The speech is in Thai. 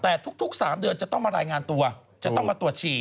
แต่ทุก๓เดือนจะต้องมารายงานตัวจะต้องมาตรวจฉี่